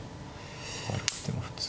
悪くても普通。